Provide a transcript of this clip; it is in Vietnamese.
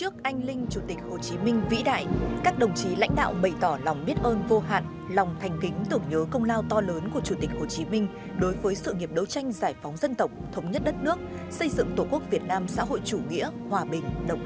chúc anh linh chủ tịch hồ chí minh vĩ đại